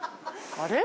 あれ？